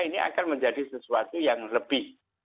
ini akan menjadi sesuatu yang lebih